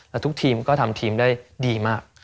แล้วทุกทีมก็ทำทีมได้ดีมาก